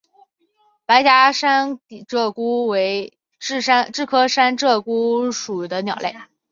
白颊山鹧鸪为雉科山鹧鸪属的鸟类。